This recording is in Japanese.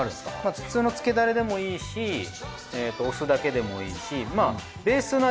普通のつけだれでもいいしお酢だけでもいいしまあベースの味